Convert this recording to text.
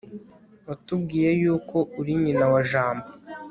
watubwiye y'uko uri nyina wa jambo